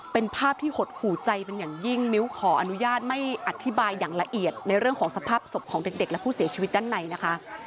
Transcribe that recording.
เป็นภาพที่หดหูใจเป็นอย่างยิ่งมิ้วขออนุญาตไม่อธิบายอย่างละเอียดในเรื่องของสภาพศพของเด็กและผู้เสียชีวิตด้านในนะคะ